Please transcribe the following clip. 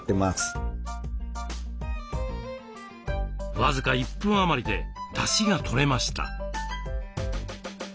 僅か１分余りでだしがとれました。